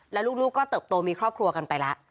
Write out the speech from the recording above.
แล้วลูกก็เติบโตมีครอบครัวกันไปแล้ว